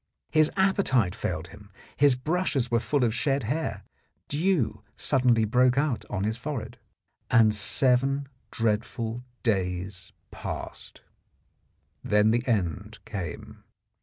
His appe tite failed him; his brushes were full of shed hair; dew suddenly broke out on his forehead. And seven dreadful days passed. Then the end came.